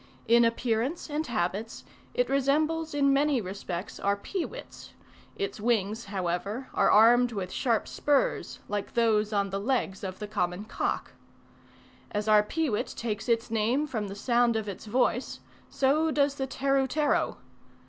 In appearance and habits it resembles in many respects our peewits; its wings, however, are armed with sharp spurs, like those on the legs of the common cock. As our peewit takes its name from the sound of its voice, so does the teru tero.